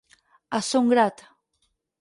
A son grat.